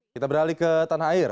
kita beralih ke tanah air